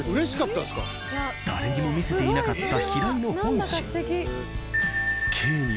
誰にも見せていなかった平井の本心。